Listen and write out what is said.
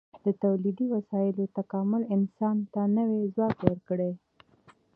د تولیدي وسایلو تکامل انسان ته نوی ځواک ورکړ.